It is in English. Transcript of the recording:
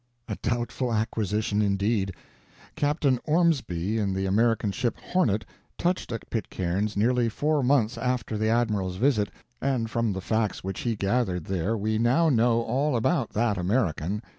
A doubtful acquisition, indeed! Captain Ormsby, in the American ship Hornet, touched at Pitcairn's nearly four months after the admiral's visit, and from the facts which he gathered there we now know all about that American.